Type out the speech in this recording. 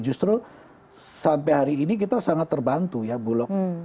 justru sampai hari ini kita sangat terbantu ya bulog